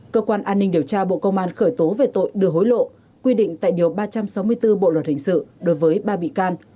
cơ quan an ninh điều tra bộ công an khởi tố về tội đưa hối lộ quy định tại điều ba trăm sáu mươi bốn bộ luật hình sự đối với ba bị can